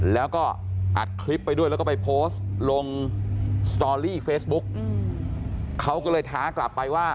แล้วก็อัดคลิปไปด้วยแล้วก็ไปโพสต์ลงสตอรี่เฟซบุ๊กเขาก็เลยท้ากลับไปว่า